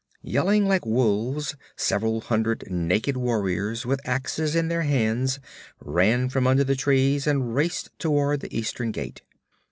Yelling like wolves, several hundred naked warriors with axes in their hands ran from under the trees and raced toward the eastern gate.